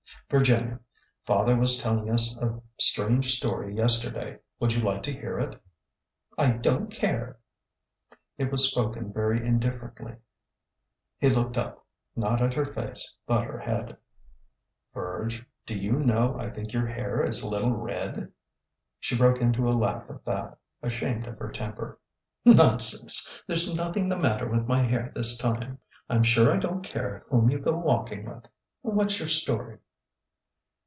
'' Virginia, father was telling us a strange story yester day. Would you like to hear it?'' I don't care." It was spoken very indifferently. He looked up, not at her face, but her head. Virge, do you know I think your hair is a little red." She broke into a laugh at that, ashamed of her temper. Nonsense ! There 's nothing the matter with my hair this time. I 'm sure I don't care whom you go walking with. What 's your story